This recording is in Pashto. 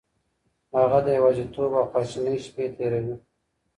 هغه د يوازيتوب او خواشينۍ شپې تېروي.